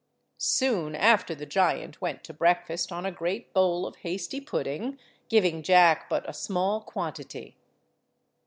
Soon after the giant went to breakfast on a great bowl of hasty pudding, giving Jack but a small quantity.